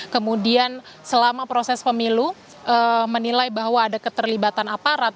kemudian selama proses pemilu menilai bahwa ada keterlibatan aparat